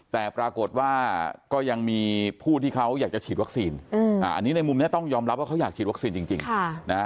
แต่ปรากฏว่าก็ยังมีผู้ที่เขาอยากจะฉีดวัคซีนอันนี้ในมุมนี้ต้องยอมรับว่าเขาอยากฉีดวัคซีนจริง